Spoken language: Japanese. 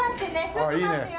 ちょっと待ってよ。